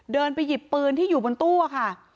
เดินไปหยิบปืนที่อยู่บนตู้ค่ะ